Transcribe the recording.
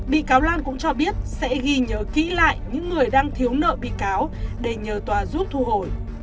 bị cáo lan cũng cho biết sẽ ghi nhớ kỹ lại những người đang thiếu nợ bị cáo để nhờ tòa giúp thu hồi